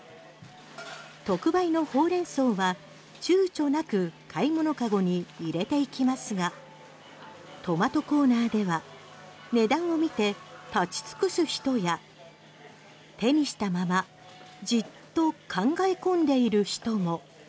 特売のホウレンソウは躊躇なく買い物籠に入れていきますがトマトコーナーでは値段を見て立ち尽くす人や手にしたままじっと考え込んでいる人も。